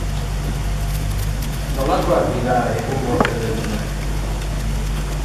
Nolakoak dira egungo fededunak?